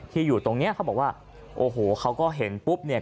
อยู่ตรงเนี้ยเขาบอกว่าโอ้โหเขาก็เห็นปุ๊บเนี่ย